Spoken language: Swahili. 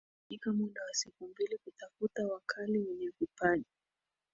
Lilifanyika muda wa siku mbili kutafuta wakali wenye vipaji